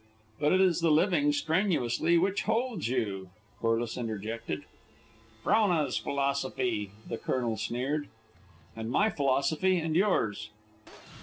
"But it is the living strenuously which holds you," Corliss interjected. "Frona's philosophy," the colonel sneered. "And my philosophy, and yours."